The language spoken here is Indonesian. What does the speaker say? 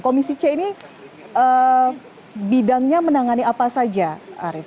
komisi c ini bidangnya menangani apa saja arief